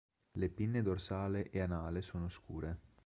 Le pinne dorsale e anale sono scure.